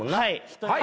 はい！